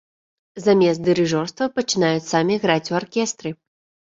Замест дырыжорства пачынаюць самі граць у аркестры.